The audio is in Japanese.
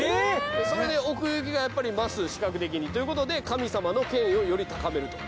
それで奥行きが増す視覚的にということで神様の権威をより高めると。